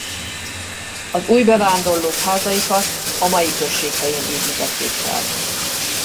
Az új bevándorlók házaikat a mai község helyén építették fel.